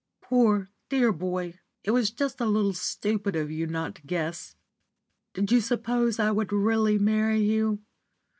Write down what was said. Poor, dear boy! it was just a little stupid of you not to guess. Did you suppose I would really marry you?